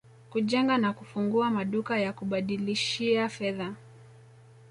kujenga na kufungua maduka ya kubadilishia fedha